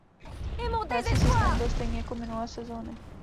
Hrací systém byl stejný jako minulé sezóny.